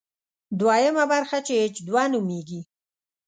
دویمه برخه چې اېچ دوه نومېږي.